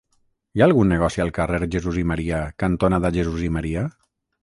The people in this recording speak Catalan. Hi ha algun negoci al carrer Jesús i Maria cantonada Jesús i Maria?